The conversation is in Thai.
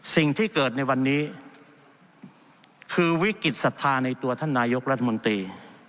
สิ่งที่เกิดในวันนี้คือวิกฤตศรัทธาในตัวท่านนายกรัฐมนตรี